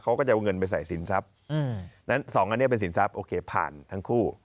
เขาก็จะเอาเงินไปใส่สินทรัพย์นั้นสองอันนี้เป็นสินทรัพย์โอเคผ่านทั้งคู่